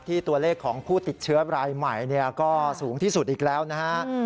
ตัวเลขของผู้ติดเชื้อรายใหม่ก็สูงที่สุดอีกแล้วนะฮะ